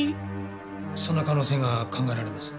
その可能性が考えられます。